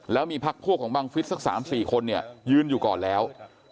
แล้วมีพักพวกของบังฟิศสัก๓๔คนเนี่ยยืนอยู่ก่อนแล้ว